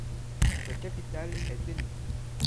Sa capitale est Theni.